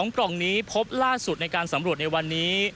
กล่องนี้พบล่าสุดในการสำรวจในวันนี้